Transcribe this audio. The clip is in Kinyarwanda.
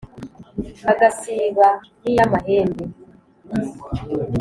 Agasiba n’iy’amahembe